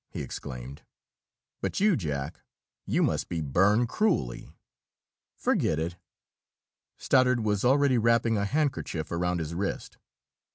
he exclaimed. "But you, Jack? You must be burned cruelly. "Forget it!" Stoddard was already wrapping a handkerchief around his wrist.